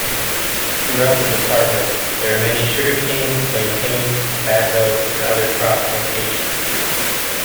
Throughout the department, there are many sugar cane, plantain, tobacco, and other crop plantations.